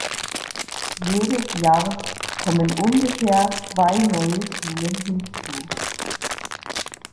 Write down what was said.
Jedes Jahr kommen ungefähr zwei neue Schulen hinzu.